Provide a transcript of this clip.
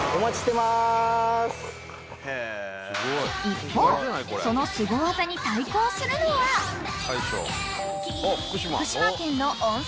［一方そのすご技に対抗するのは福島県の温泉地から］